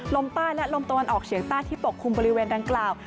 ลมใต้และลมตะวันออกเฉียงใต้ที่ปกคลุมบริเวณดังกล่าว